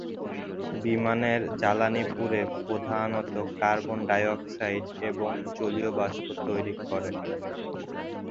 বিমানের জ্বালানী পুড়ে প্রধানত কার্বন ডাইঅক্সাইড এবং জলীয় বাষ্প তৈরি করে।